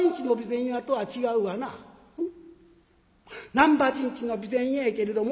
難波新地の備前屋やけれども」。